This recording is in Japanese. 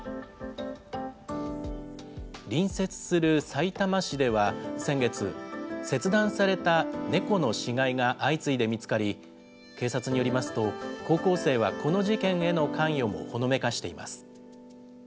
隣接するさいたま市では、先月、切断された猫の死骸が相次いで見つかり、警察によりますと、高校生はこの事件への関与もほのめかしています。